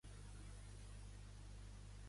Quan es va assabentar la policia de la massacre?